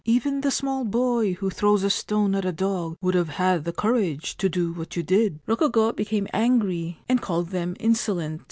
Even the small boy who throws a stone at a dog would have had the courage to do what you did!' Rokugo became angry, and called them insolent.